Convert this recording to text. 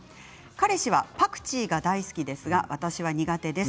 彼氏はパクチーが大好きですが私は苦手です。